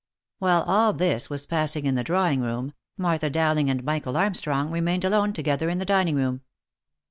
62 THE LIFE AND ADVENTURES While all this was passing in the drawing room, Martha Dow ling" and Michael Armstrong remained alone together in the dining room.